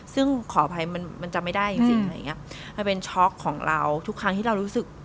ซึ่งขออภัยมันมันจำไม่ได้จริงจริงอะไรอย่างเงี้ยมันเป็นช็อกของเราทุกครั้งที่เรารู้สึก